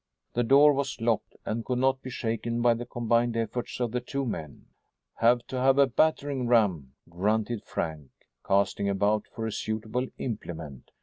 The door was locked and could not be shaken by the combined efforts of the two men. "Have to have a battering ram," grunted Frank, casting about for a suitable implement.